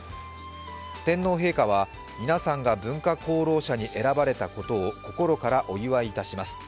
天皇陛下は、皆さんが文化功労者に選ばれたことを心からお祝いいたします。